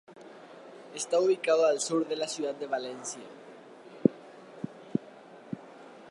Está ubicado al sur de la ciudad de Valencia.